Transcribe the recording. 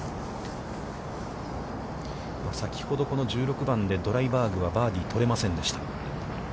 先ほどこの１６番で、ドライバーグはバーディーを取れませんでした。